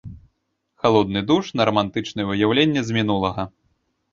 Халодны душ на рамантычныя ўяўленні з мінулага.